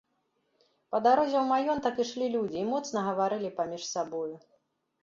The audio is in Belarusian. Па дарозе ў маёнтак ішлі людзі і моцна гаварылі паміж сабою.